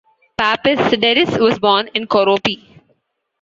Papasideris was born in Koropi.